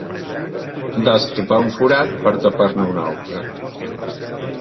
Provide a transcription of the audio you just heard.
Destapar un forat per tapar-ne un altre.